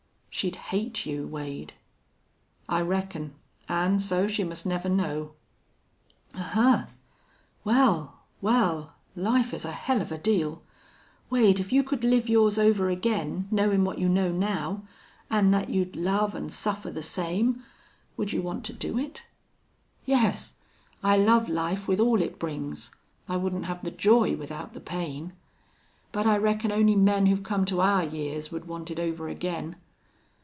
"She'd hate you, Wade." "I reckon. An' so she must never know." "Ahuh!... Wal, wal, life is a hell of a deal! Wade, if you could live yours over again, knowin' what you know now, an' that you'd love an' suffer the same would you want to do it?" "Yes. I love life, with all it brings. I wouldn't have the joy without the pain. But I reckon only men who've come to our years would want it over again."